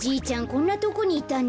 こんなとこにいたんだ。